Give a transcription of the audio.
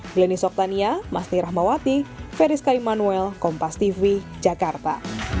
glenys oktania mas tehira mahmawati feris kalimantanuel kompastv jakarta